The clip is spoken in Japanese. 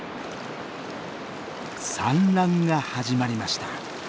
産卵が始まりました。